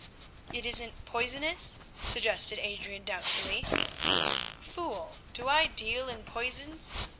"It isn't poisonous?" suggested Adrian doubtfully. "Fool, do I deal in poisons?